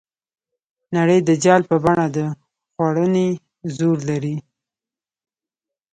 نړۍ د جال په بڼه د خوړنې زور لري.